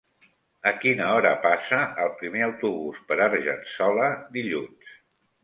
A quina hora passa el primer autobús per Argençola dilluns?